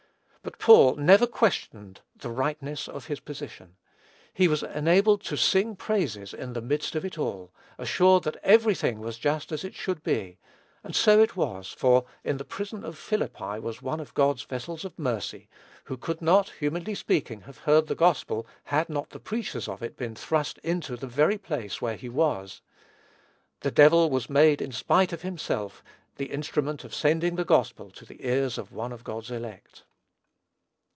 But Paul never questioned the rightness of his position. He was enabled to "sing praises" in the midst of it all, assured that every thing was just as it should be: and so it was; for in the prison of Philippi was one of God's vessels of mercy, who could not, humanly speaking, have heard the gospel, had not the preachers of it been thrust into the very place where he was. The devil was made, in spite of himself, the instrument of sending the gospel to the ears of one of God's elect.